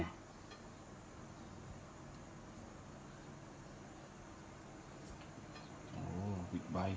โอ้โหอีกใบ